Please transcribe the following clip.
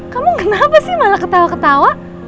kamu kenapa sih malah ketawa ketawa